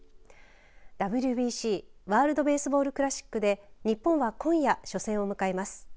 ＷＢＣ、ワールド・ベースボール・クラシックで日本は今夜初戦を迎えます。